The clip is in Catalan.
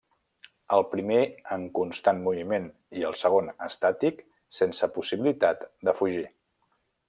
El primer en constant moviment, i el segon estàtic, sense possibilitat de fugir.